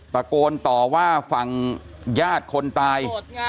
ตะโกนต่อว่าฝั่งญาติคนตาย